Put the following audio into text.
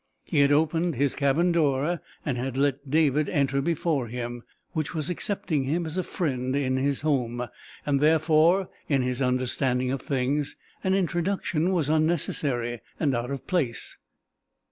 He had opened his cabin door, and had let David enter before him, which was accepting him as a friend in his home, and therefore, in his understanding of things, an introduction was unnecessary and out of place.